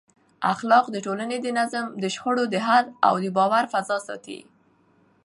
اخلاق د ټولنې د نظم، د شخړو د حل او د باور فضا ساتي.